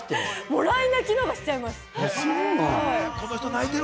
もらい泣きのほうがしちゃいます。